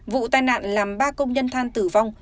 vụ tai nạn làm ba công nhân than tử vong